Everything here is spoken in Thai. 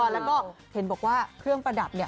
แล้วก็เทนบอกว่าเครื่องประดับ